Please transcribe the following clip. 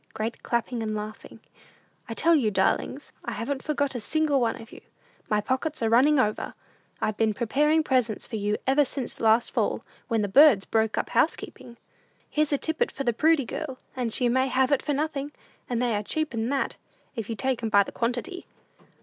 (Great clapping and laughing.) "I tell you, darlings, I haven't forgot a single one of you. My pockets are running over. I've been preparing presents for you ever since last fall, when the birds broke up housekeeping. "Here's a tippet for the Prudy girl, and she may have it for nothing; and they are cheaper 'n that, if you take 'em by the quantity.